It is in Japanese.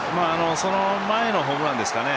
その前のホームランですかね